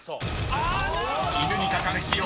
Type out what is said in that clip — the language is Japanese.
［犬にかかる費用